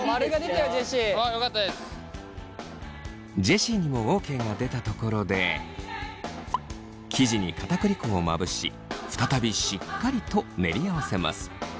ジェシーにもＯＫが出たところで生地に片栗粉をまぶし再びしっかりと練り合わせます。